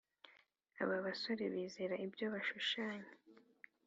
aba basore bizera ibyo bashushanya,